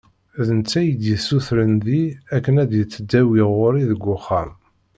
D netta i d-yessutren deg-i akken ad yettdawi ɣur-i deg uxxam.